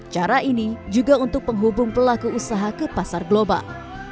cara ini juga untuk penghubung pelaku usaha ke pasar global